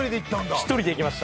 １人で行きました。